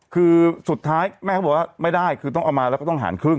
คือสุดท้ายแม่เขาบอกว่าไม่ได้คือต้องเอามาแล้วก็ต้องหารครึ่ง